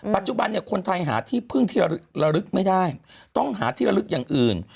ปัจจุบันเนี่ยคนไทยหาที่พึ่งที่ระลึกไม่ได้ต้องหาที่ระลึกอย่างอื่น